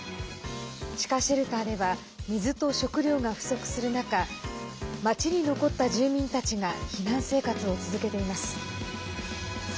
地下シェルターでは水と食料が不足する中町に残った住民たちが避難生活を続けています。